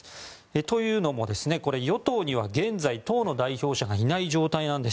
というのも与党には現在党の代表者がいない状態なんです。